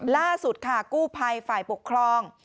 ล่าสุดค่ะกู้ภัยฝ่ายปกครอง